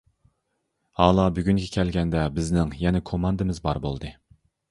ھالا بۈگۈنگە كەلگەندە بىزنىڭ يەنە كوماندىمىز بار بولدى.